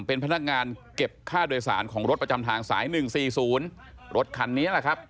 เป็นพนักงานเก็บค่าโดยสารของรถประจำทางสาย๑๔๐รถคันนี้แหละครับ